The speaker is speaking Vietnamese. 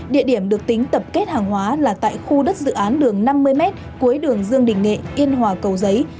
địa điểm được tính tập kết hàng hóa là tại khu đất dự án đường năm mươi m cuối đường dương đình nghệ yên hòa cầu giấy